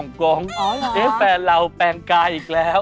แฟนเราแปลงกายอีกแล้ว